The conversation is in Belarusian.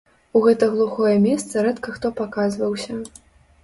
У гэта глухое месца рэдка хто паказваўся.